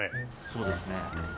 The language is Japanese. そうですね。